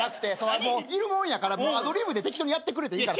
いるもんやからアドリブで適当にやってくれていいから。